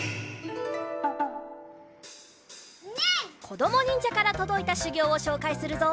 こどもにんじゃからとどいたしゅぎょうをしょうかいするぞ！